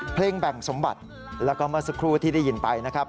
เพลงแบ่งสมบัติแล้วก็เมื่อสักครู่ที่ได้ยินไปนะครับ